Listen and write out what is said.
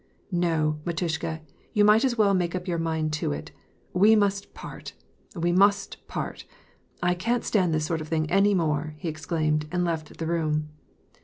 " No, mitushka, you might as well make up your mind to it : we must part, we must part. I can't stand this sort of thing any more," he exclaimed, and left the room.